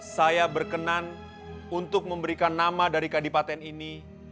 saya berkenan untuk memberikan nama dari kadipaten ini